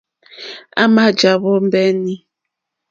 À mà jàwó mbéǃéní.